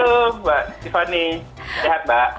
halo mbak tiffany sehat mbak